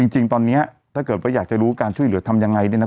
จริงตอนนี้ถ้าเกิดว่าอยากจะรู้การช่วยเหลือทำยังไง